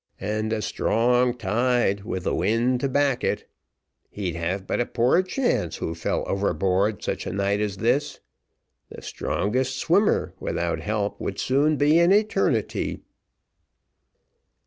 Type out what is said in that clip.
"And a strong tide, with the wind to back it. He'd have but a poor chance, who fell overboard such a night as this. The strongest swimmer, without help, would be soon in eternity."